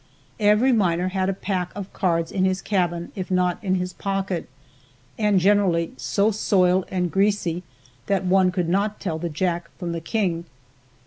Every miner had a pack of cards in his cabin if not in his pocket, and generally so soiled and greasy that one could not tell the jack from the king.